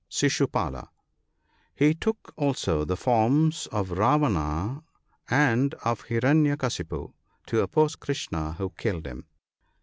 — Shishupala ; he took also the forms of Ravana and of Hiranya Kasipu, to oppose Krishna, who killed him.